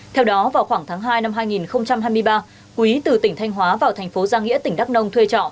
theo đó vào khoảng tháng hai năm hai nghìn hai mươi ba quý từ tỉnh thanh hóa vào thành phố giang nghĩa tỉnh đắk nông thuê trọ